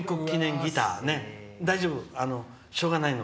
大丈夫、しょうがないの。